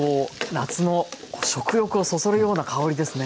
夏の食欲をそそるような香りですね。